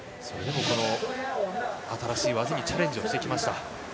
それでも新しい技にチャレンジをしてきました。